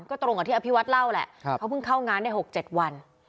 ก็ตรงกับที่อภิวัตเล่าแหละเขาเพิ่งเข้างานได้๖๗วัน